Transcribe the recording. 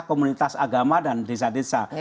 komunitas agama dan desa desa